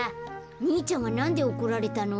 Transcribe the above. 兄ちゃんはなんでおこられたの？